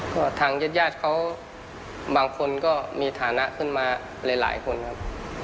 ก็ทางญาติญาติเขาบางคนก็มีฐานะขึ้นมาหลายคนครับ